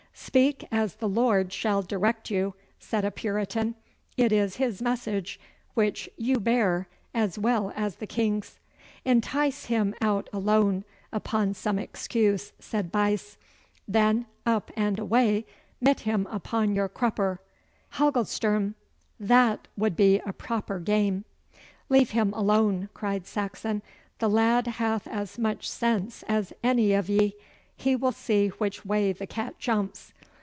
'Speak as the Lord shall direct you,' said a Puritan. 'It is His message which you bear as well as the King's.' 'Entice him out alone upon some excuse,' said Buyse, 'then up and away mit him upon your crupper. Hagelsturm! that would be a proper game.' 'Leave him alone,' cried Saxon. 'The lad hath as much sense as any of ye. He will see which way the cat jumps.